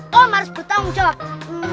tom harus bertanggung jawab